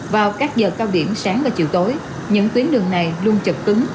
vào các giờ cao điểm sáng và chiều tối những tuyến đường này luôn chập cứng